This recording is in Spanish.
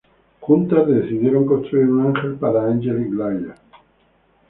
Juntas decidieron construir un ángel para Angelic Layer.